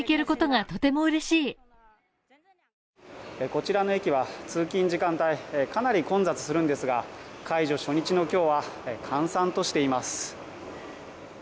こちらの駅は通勤時間帯、かなり混雑するんですが、解除初日の今日は閑散としています。